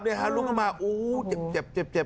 เนี่ยเขาลุกลงมาอุ้เจ็บ